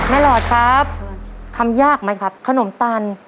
หลอดครับทำยากไหมครับขนมตัน